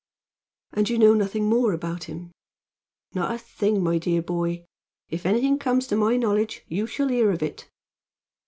"And you know nothing more about him?" "Not a thing, my dear boy. If anything comes to my knowledge, you shall hear of it."